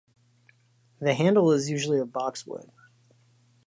The handle is usually of boxwood.